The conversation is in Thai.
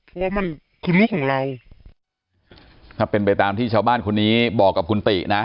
เพราะว่ามันคือลูกของเราถ้าเป็นไปตามที่ชาวบ้านคนนี้บอกกับคุณตินะ